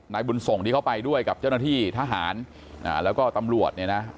บุญส่งที่เขาไปด้วยกับเจ้าหน้าที่ทหารแล้วก็ตำรวจเนี่ยนะ